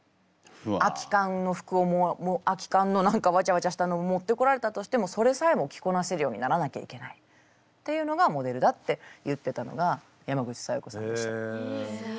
空き缶の服を空き缶の何かわちゃわちゃしたのを持ってこられたとしてもそれさえも着こなせるようにならなきゃいけないっていうのがモデルだって言ってたのが山口小夜子さんでした。